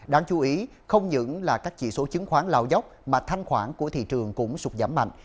đáng chú ý không những là các chỉ số chứng khoán lao dốc mà thanh khoản của thị trường cũng sụt giảm mạnh